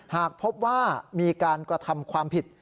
หากพบว่ามีการกระทำความผิด